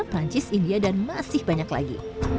perancis india dan masih banyak lagi